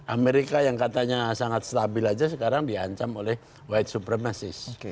amerika yang katanya sangat stabil aja sekarang di ancam oleh white supremacist